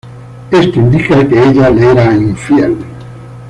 Esto indicaba que ella le era infiel.